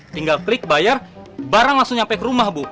tinggal klik bayar barang langsung nyampe ke rumah bu